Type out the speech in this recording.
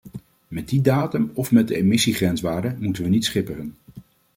Met die datum of met de emissiegrenswaarde moeten we niet schipperen.